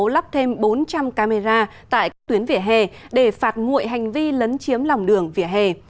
lắp thêm bốn trăm linh camera tại các tuyến vỉa hè để phạt nguội hành vi lấn chiếm lòng đường vỉa hè